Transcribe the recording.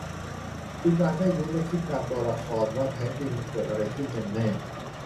คือการได้ลุ้นและคิดตามตัวละครว่าแท้จริงเกิดอะไรขึ้นกันแน่